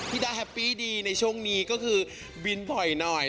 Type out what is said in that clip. ดาแฮปปี้ดีในช่วงนี้ก็คือบินบ่อยหน่อย